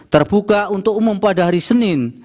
terbuka untuk umum pada hari senin